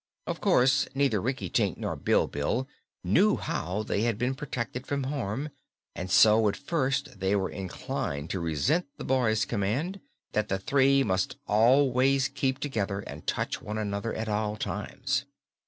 Of course, neither Rinkitink nor Bilbil knew how they had been protected from harm and so at first they were inclined to resent the boy's command that the three must always keep together and touch one another at all times.